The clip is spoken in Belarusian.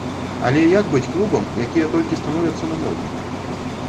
Але як быць клубам, якія толькі становяцца на ногі?